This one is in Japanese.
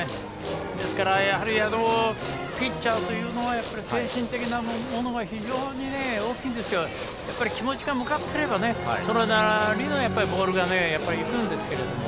ですからピッチャーというのは精神的なものが非常に大きいんですけど気持ちが向かっていればそれなりのボールが行くんですが。